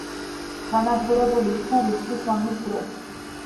განადგურებული იქნა რისხვის ომის დროს.